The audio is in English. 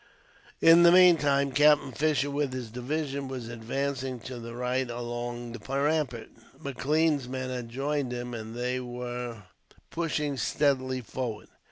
In the meantime Captain Fisher, with his division, was advancing to the right along the rampart. Maclean's men had joined him, and they were pushing steadily forward.